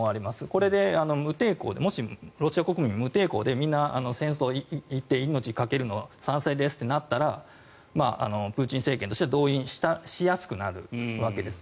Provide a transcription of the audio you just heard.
これで無抵抗でもしロシア国民が無抵抗でみんな戦争に行って命かけるの賛成ですとなったらプーチン政権としては動員しやすくなるわけです。